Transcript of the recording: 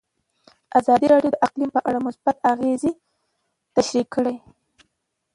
ازادي راډیو د اقلیم په اړه مثبت اغېزې تشریح کړي.